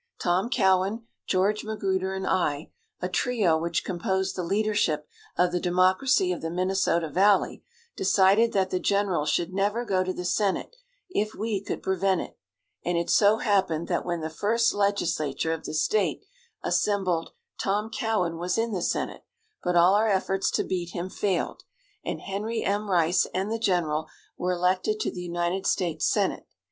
Tom Cowan, George Magruder and I, a trio which composed the leadership of the Democracy of the Minnesota valley, decided that the general should never go to the senate if we could prevent it, and it so happened that when the first legislature of the state assembled Tom Cowan was in the senate, but all our efforts to beat him failed, and Henry M. Rice and the general were elected to the United States Senate.